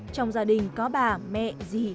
trong gia đình có bà mẹ dì